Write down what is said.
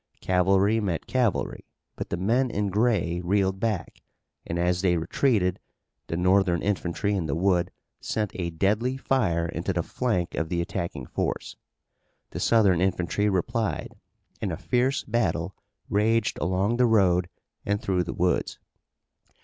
Cavalry met cavalry but the men in gray reeled back, and as they retreated the Northern infantry in the wood sent a deadly fire into the flank of the attacking force. The Southern infantry replied, and a fierce battle raged along the road and through the woods.